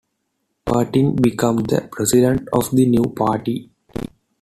Pertin became the president of the new party.